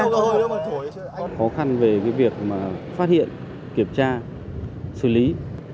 có khó khăn về việc phát hiện kiểm tra xử lý